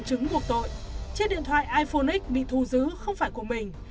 cũng buộc tội chiếc điện thoại iphone x bị thu giữ không phải của mình